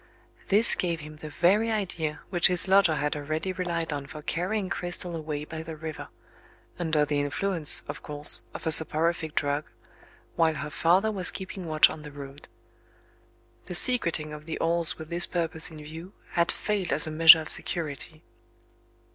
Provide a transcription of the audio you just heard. This gave him the very idea which his lodger had already relied on for carrying Cristel away by the river (under the influence, of course, of a soporific drug), while her father was keeping watch on the road. The secreting of the oars with this purpose in view, had failed as a measure of security.